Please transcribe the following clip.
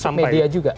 termasuk media juga